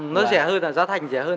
nó rẻ hơn giá thành rẻ hơn